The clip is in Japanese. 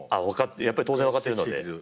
やっぱり当然分かってるのではい。